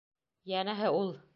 Йәнәһе, ул!